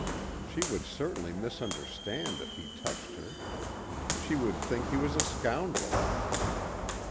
She would certainly misunderstand if he touched her. She would think he was a scoundrel.